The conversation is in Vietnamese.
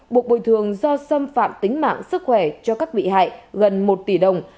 bộ bồi thương do xâm phạm tính mạng sức khỏe cho các bị hại gần một tỷ đồng